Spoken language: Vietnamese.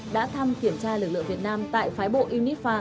đã thăm kiểm tra lực lượng việt nam tại phái bộ unifa